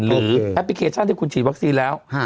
แอปพลิเคชันที่คุณฉีดวัคซีนแล้ว